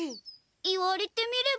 言われてみれば。